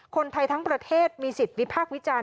คนไทยทั้งประเทศมีสิทธิ์วิพากษ์วิจารณ์